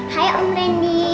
hai om randy